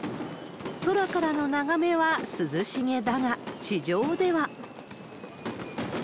空からの眺めは涼しげだが、地上では。